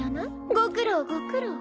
ご苦労ご苦労。